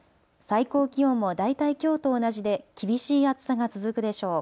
最高気温も大体きょうと同じで厳しい暑さが続くでしょう。